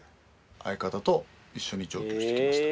相方と一緒に上京してきました。